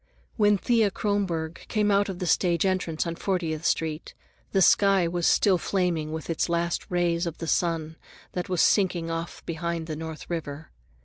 When Thea Kronborg came out of the stage entrance on Fortieth Street, the sky was still flaming with the last rays of the sun that was sinking off behind the North River.